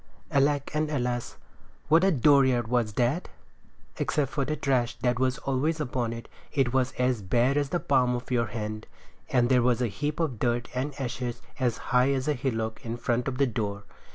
Alack and alas, what a dooryard was that! Except for the trash that was always upon it, it was as bare as the palm of your hand; and there was a heap of dirt and ashes as high as a hillock in front of the door.